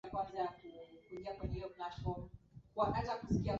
katika karne ya ishirini Falme hizo zilikuwa